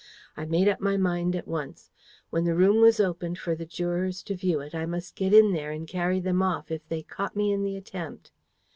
I made up my mind at once. When the room was opened for the jurors to view it, I must get in there and carry them off, if they caught me in the attempt.